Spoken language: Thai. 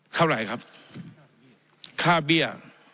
เท่าไหร่ครับค่าเบี้ย